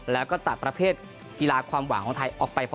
แล้วก็ตัดประเภทกีฬาความหวังของไทยออกไป